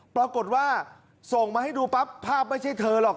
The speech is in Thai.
ปรากฏว่าส่งมาให้ดูปั๊บภาพไม่ใช่เธอหรอก